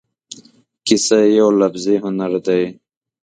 کیسه یو لفظي هنر دی.